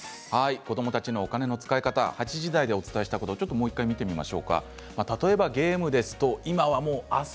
子どもたちのお金とのつきあい方８時台でお伝えしたこともう１回見ていきます。